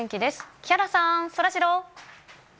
木原さん、そらジロー。